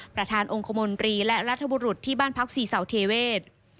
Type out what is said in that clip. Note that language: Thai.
ประธานองค์คมนตรีและรัฐบุรุษที่บ้านพักศรีเสาเทเวศ